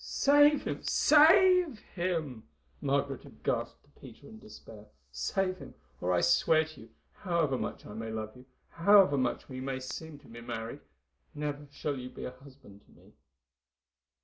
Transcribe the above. "Save him!—save him!" Margaret had gasped to Peter in despair. "Save him, or I swear to you, however much I may love you, however much we may seem to be married, never shall you be a husband to me."